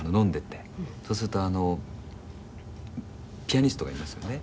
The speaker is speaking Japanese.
そうするとピアニストがいますよね。